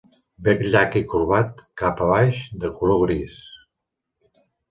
Bec llarg i corbat cap a baix de color gris.